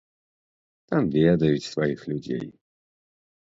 Там ведаюць сваіх людзей.